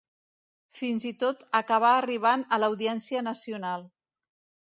Fins i tot acabà arribant a l'Audiència Nacional.